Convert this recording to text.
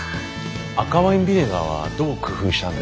赤ワインビネガーはどう工夫したんですか？